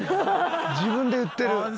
自分で言ってる。